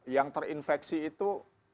yang terinfeksi itu